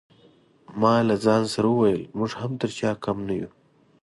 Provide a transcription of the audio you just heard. ما له ځان سره وویل موږ هم تر چا کم نه یو.